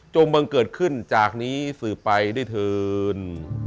จงบังเกิดขึ้นจากนี้สื่อไปได้ทืน